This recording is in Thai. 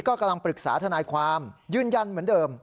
ก็กำลังปรึกษาทนายความยืนยันเหมือนเดิม